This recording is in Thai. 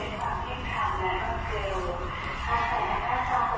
ถ้าใครนะครับจะรู้ว่าส่วนใหม่